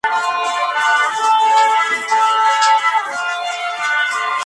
En estas montañas de Caraballo se encuentran las cabeceras del río Cagayán.